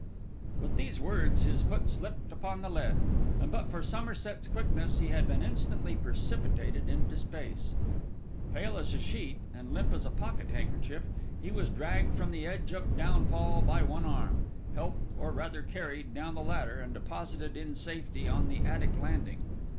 With these words his foot slipped upon the lead; and but for Somerset's quickness, he had been instantly precipitated into space. Pale as a sheet, and limp as a pocket handkerchief, he was dragged from the edge of downfall by one arm; helped, or rather carried, down the ladder; and deposited in safety on the attic landing.